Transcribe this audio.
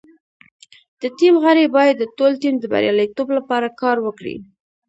د ټیم غړي باید د ټول ټیم د بریالیتوب لپاره کار وکړي.